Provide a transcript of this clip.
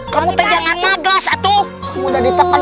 kamu jangan lagas satu mudah ditekan